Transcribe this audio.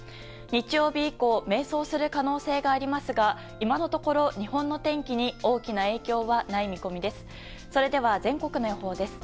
日曜日以降迷走する可能性がありますが今のところ日本の天気に大きな影響はない見込みです。